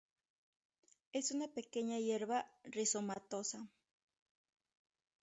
Es una pequeña hierba, rizomatosa.